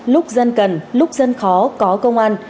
lúc dân cần lúc dân khó có công an